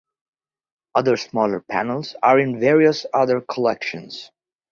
Other smaller panels are in various other collections.